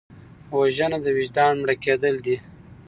وژنه د وجدان مړه کېدل دي